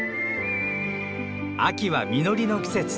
秋は実りの季節。